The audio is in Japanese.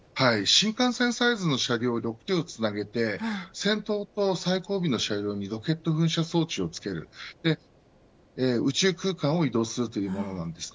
新幹線サイズの車両を６両つなげて先頭と最後尾の車両にロケット噴射装置を付けて宇宙空間を移動するというものなんです。